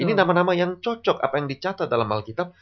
ini nama nama yang cocok apa yang dicatat dalam hal kitab